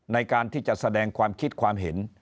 ในการที่จะแสดงความคิดความเห็น